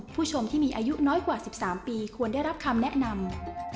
ผู้ชมที่มีอายุน้อยกว่า๑๓ปีควรได้รับคำแนะนำ